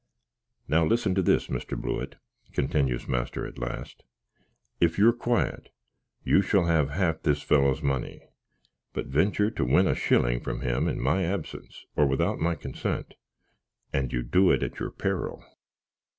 "Now listen to this, Mr. Blewitt," continues master at last; "if you're quiet, you shall have half this fellow's money: but venture to win a shilling from him in my absence, or without my consent, and you do it at your peril."